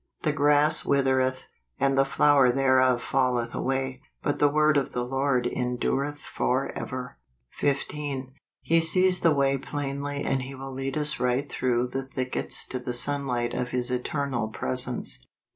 " The grass withereth , and the flower thereof falleth away : But the word of the Lord endureth forever ." MAT. 55 15. He sees the way plainly and He will lead us right through the thickets to the sunlight of his eternal presence.